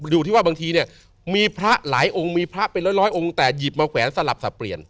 อยู่ที่ว่าบางทีเนี่ยมีพระหลายองค์มีพระเป็นร้อยองค์แต่หยิบมาแขวนสลับสับเปลี่ยน